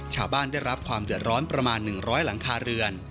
ชาวบ้านได้รับความเดือดร้อนประมาณ๑๐๐หลังคาเรือน